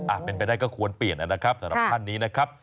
เป็นไปได้ก็ควรเปลี่ยนนะครับสำหรับท่านนี้นะครับ